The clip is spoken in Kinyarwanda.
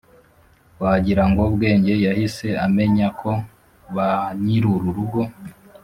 wagira ngo bwenge yahise amenya ko ba nyir'ururugo